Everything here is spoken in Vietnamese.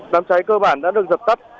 đám cháy cơ bản đã được dập tắt